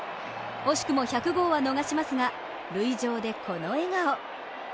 惜しくも１００号は逃しますが塁上でこの笑顔。